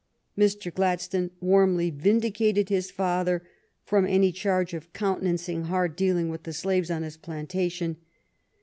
Mr. Gladstone warmly vindicated his father from any charge of counte nancing hard dealing with the slaves on his planta tion.